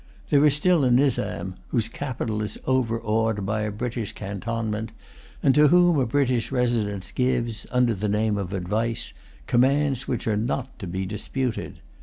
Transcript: There is still a Nizam, whose capital is overawed by a British cantonment, and to whom a British resident gives, under the name of advice, commands which are not to be disputed.